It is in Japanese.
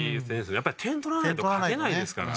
やっぱり点取らないと勝てないですから。